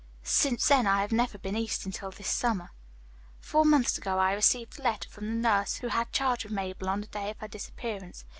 Since then I have never been east until this summer. "Four months ago I received a letter from the nurse who had charge of Mabel on the day of her disappearance.